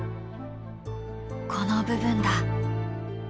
この部分だ。